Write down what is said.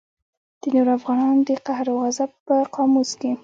د نورو افغانانو د قهر او غضب په قاموس کې.